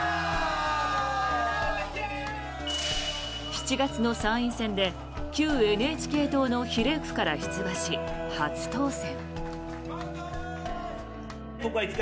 ７月の参院選で旧ＮＨＫ党の比例区から出馬し初当選。